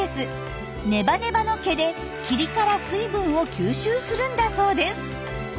ネバネバの毛で霧から水分を吸収するんだそうです。